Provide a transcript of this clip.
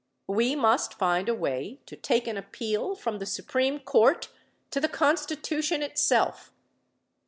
We must find a way to take an appeal from the Supreme Court to the Constitution itself.